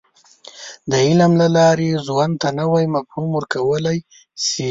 • د علم له لارې، ژوند ته نوی مفهوم ورکولی شې.